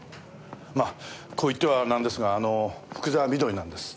まあこう言ってはなんですがあの福沢美登里なんです。